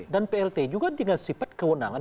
dan plt juga dengan sifat kewenangan